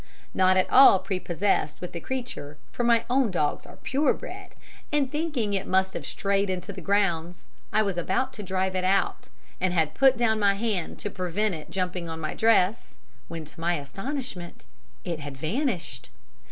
Not at all prepossessed with the creature, for my own dogs are pure bred, and thinking it must have strayed into the grounds, I was about to drive it out, and had put down my hand to prevent it jumping on my dress, when, to my astonishment, it had vanished.